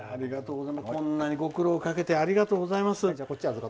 こんなにご苦労をかけてありがとうございます。